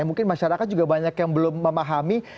mungkin masyarakat juga banyak yang belum memahami